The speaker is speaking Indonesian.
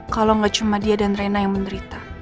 kalo gak cuma dia dan reina yang menderita